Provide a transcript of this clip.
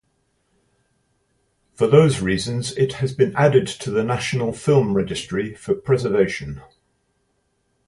For those reasons it has been added to the National Film Registry for preservation.